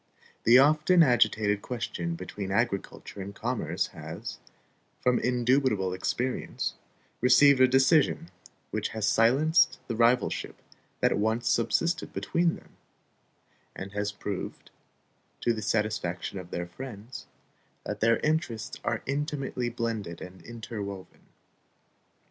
The often agitated question between agriculture and commerce has, from indubitable experience, received a decision which has silenced the rivalship that once subsisted between them, and has proved, to the satisfaction of their friends, that their interests are intimately blended and interwoven.